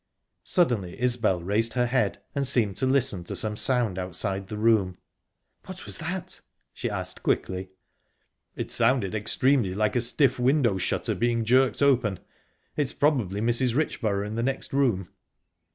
Suddenly Isbel raised her head and seemed to listen to some sound outside the room. "What was that?" she asked quickly. "It sounded extremely like a stiff window shutter being jerked open; it's probably Mrs. Richborough in the next room."